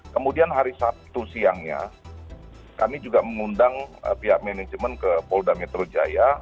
kemudian hari sabtu siangnya kami juga mengundang pihak manajemen ke polda metro jaya